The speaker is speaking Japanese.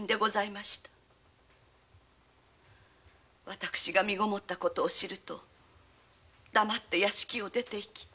わたくしが妊ったことを知ると黙って屋敷を出てゆき